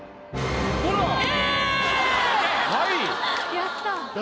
やった。